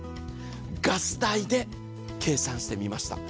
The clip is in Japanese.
ガス代で計算してみました。